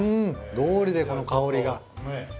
どうりでこの香りが。